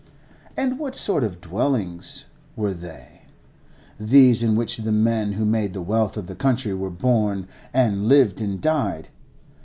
And what sort of dwellings were they, these in which the men who made the wealth of the country were born and lived and died?